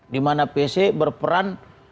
dimana pc berperan